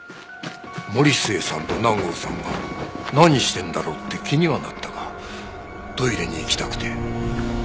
森末さんと南郷さんが何してんだろうって気にはなったがトイレに行きたくて。